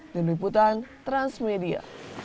dengan wibutan transmedia